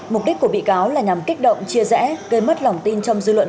mục đích của bị cáo là nhằm kích động chia rẽ gây mất lòng tin trong dư luận